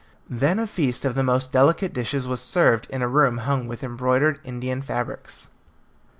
Then a feast of the most delicate dishes was served in a room hung with embroidered Indian fabrics.